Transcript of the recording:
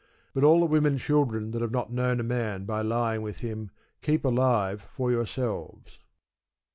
But all the women children that have not known a man by lying with him, keep alive for yourselves.